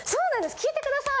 聞いてください！